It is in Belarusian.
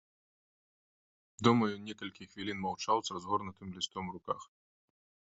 Дома ён некалькі хвілін маўчаў з разгорнутым лістом у руках.